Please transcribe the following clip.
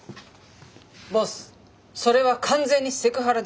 ボスそれは完全にセクハラです。